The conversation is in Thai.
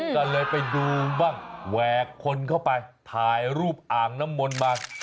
ก็เลยไปดูบ้างแหวกคนเข้าไปถ่ายรูปอ่างน้ำมนต์มา